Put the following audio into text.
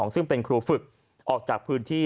ซึ่งเป็นครูฝึกออกจากพื้นที่